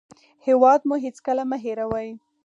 هېواد مو هېڅکله مه هېروئ